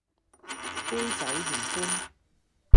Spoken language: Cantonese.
杯酒言歡